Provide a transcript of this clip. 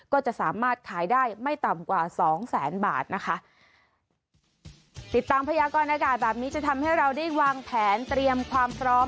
ก็จะสามารถขายได้ไม่ต่ำกว่าสองแสนบาทนะคะติดตามพยากรณากาศแบบนี้จะทำให้เราได้วางแผนเตรียมความพร้อม